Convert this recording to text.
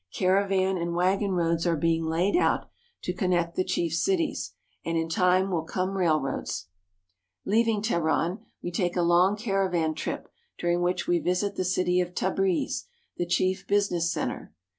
Caravan and wagon roads are being Street Scene in Tabriz, Persia. laid out to connect the chief cities, and in time will come railroads. Leaving Teheran, we take a long caravan trip, during which we visit the city of Tabriz, the chief business center.